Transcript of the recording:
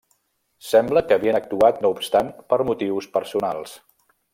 Sembla que havien actuat no obstant per motius personals.